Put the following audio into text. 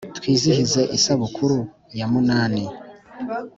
Twizihize Isabukuru ya munana